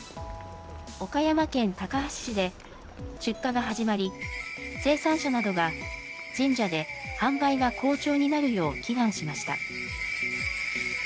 岡山県高梁市で、出荷が始まり、生産者などが、神社で販売が好調になるよう祈願しました。